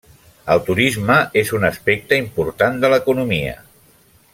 El turisme és un aspecte important de l'economia.